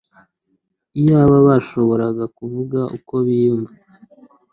Iyaba bashoboraga kuvuga uko biyumva